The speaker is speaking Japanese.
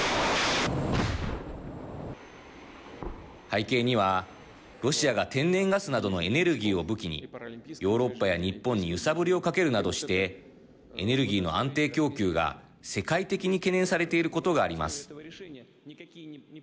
背景にはロシアが天然ガスなどのエネルギーを武器にヨーロッパや日本に揺さぶりをかけるなどしてエネルギーの安定供給が世界的に懸念されていることがあります。